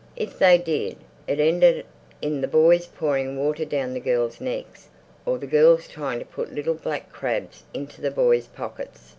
If they did, it ended in the boys pouring water down the girls' necks or the girls trying to put little black crabs into the boys' pockets.